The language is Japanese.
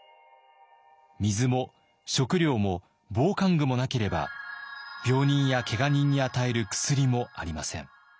水も食料も防寒具もなければ病人やけが人に与える薬もありません。